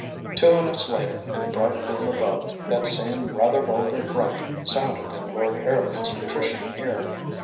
Two minutes later, in the bright room above, that same rather vulgar grunt sounded in Lord Harrowby's patrician ear.